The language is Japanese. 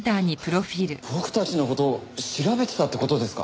僕たちの事を調べてたって事ですか？